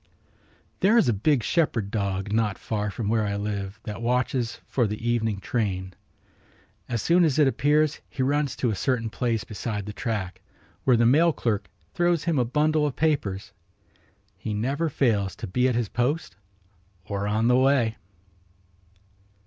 There is a big shepherd dog not far from where I live that watches for the evening train. As soon as it appears he runs to a certain place beside the track, where the mail clerk throws him a bundle of papers. He never fails to be at his post or on the way.